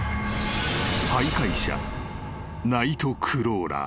［徘徊者ナイトクローラー］